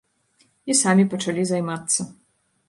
І самі пачалі займацца.